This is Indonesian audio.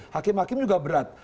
hakim hakim juga berat